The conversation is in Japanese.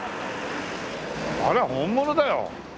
あれは本物だよ。